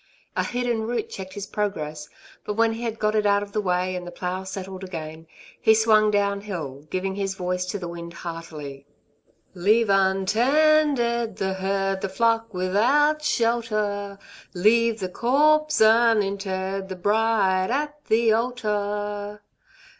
A hidden root checked his progress; but when he had got it out of the way, and the plough settled again, he swung down hill, giving his voice to the wind heartily: Leave untended the herd, The flock without shelter; Leave the corpse uninterred, The bride at the altar.